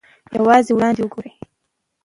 یوازې وړاندې وګورئ.